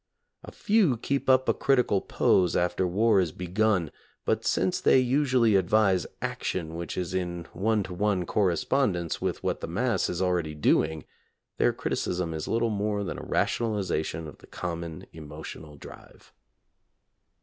A few keep up a critical pose after war is begun, but since they usually advise action which is in one to one correspondence with what the mass is already doing, their criticism is little more than a rationalization of the common emotional drive.